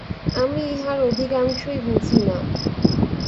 আমি ইহার অধিকাংশই বুঝি না।